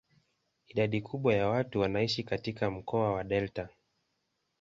Idadi kubwa ya watu wanaishi katika mkoa wa delta.